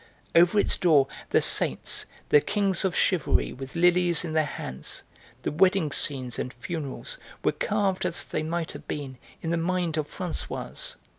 Over its door the saints, the kings of chivalry with lilies in their hands, the wedding scenes and funerals were carved as they might have been in the mind of Françoise.